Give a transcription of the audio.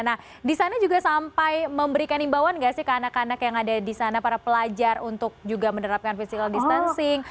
nah di sana juga sampai memberikan imbauan nggak sih ke anak anak yang ada di sana para pelajar untuk juga menerapkan physical distancing